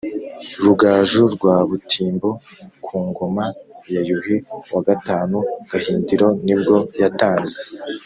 Rugaju rwa Butimbo ku ngoma ya Yuhi wa gatanu Gahindiro nibwo yatanze